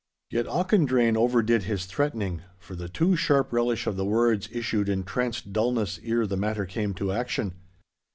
Yet Auchendrayne overdid his threatening, for the too sharp relish of the words issued in tranced dulness ere the matter came to action.